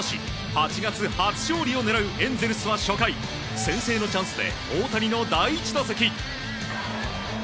８月初勝利を狙うエンゼルスは初回先制のチャンスで大谷の第１打席。